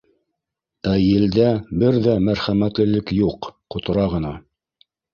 Ә елдә бер ҙә мәрхәмәтлелек юҡ — ҡотора ғына!